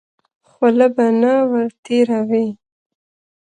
خوله به نه ور تېروې.